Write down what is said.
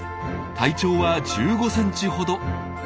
体長は１５センチほど。